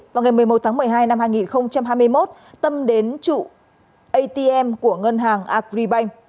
vào ngày một mươi một tháng một mươi hai năm hai nghìn hai mươi một tâm đến trụ atm của ngân hàng agribank